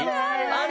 ある！